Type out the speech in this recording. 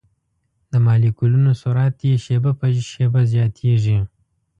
د مالیکولونو سرعت یې شېبه په شېبه زیاتیږي.